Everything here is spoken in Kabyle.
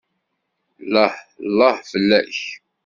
Llah llah fell-ak!